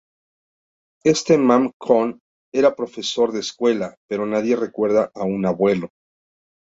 Este Mam Khon era profesor de escuela, pero nadie recuerda a un abuelo.